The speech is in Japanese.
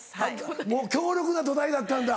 もう強力な土台だったんだ